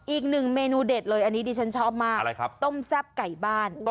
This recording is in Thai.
อีกหนึ่งเมนูเด็ดเลยอันนี้ดิฉันชอบมากอะไรครับต้มแซ่บไก่บ้าน